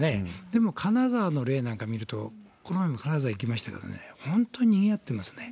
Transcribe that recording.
でも、金沢の例なんか見ると、この前も金沢行きましたけれどもね、本当ににぎわっていますよね。